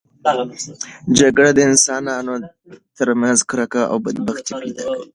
جګړه د انسانانو ترمنځ کرکه او بدبیني پیدا کوي.